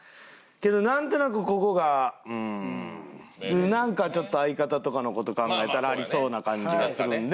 けどなんとなくここが。なんかちょっと相方とかの事考えたらありそうな感じがするんで。